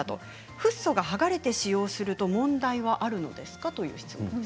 フッ素が剥がれて使用すると問題はあるんですかという質問